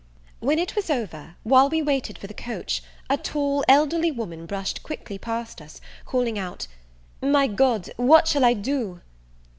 When it was over, while we waited for the coach, a tall elderly woman brushed quickly past us, calling out, "My God, what shall I do?"